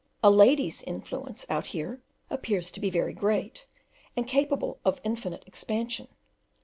A lady's influence out here appears to be very great, and capable of indefinite expansion.